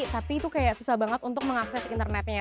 tapi itu kayak susah banget untuk mengakses internetnya